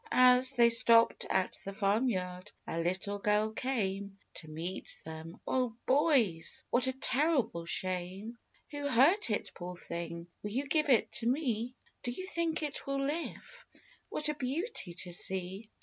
As they stopped at the farm yard, a little girl came To meet them :" 0, hoys ! what a terrible shame ! Who hurt it, poor thing? Will you give it to me? Do you think it will live ? What a beauty to see